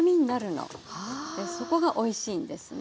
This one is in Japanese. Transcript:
そこがおいしいんですね。